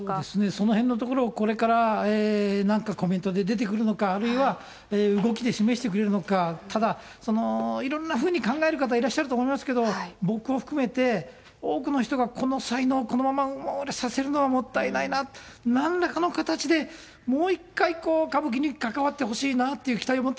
そのへんのところをこれからなんかコメントで出てくるのか、あるいは動きで示してくれるのか、ただ、いろんなふうに考える方いらっしゃると思うんですけど、僕を含めて、多くの人がこの才能をこのまま埋もれさせるのはもったいないな、なんらかの形で、ただいま！